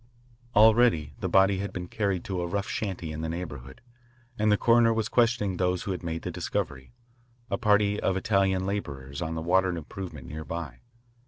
Already the body had been carried to a rough shanty in the neighbourhood, and the coroner was questioning those who had made the discovery, a party of Italian labourers on the water improvement near by.